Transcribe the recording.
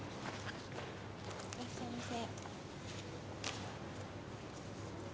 いらっしゃいませ。